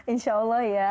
insya allah ya